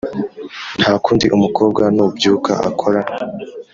Ntakundi umukobwa nubyuka akora